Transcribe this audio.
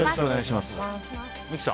三木さん